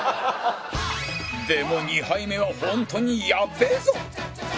でも２杯目はホントにやっべぇぞ！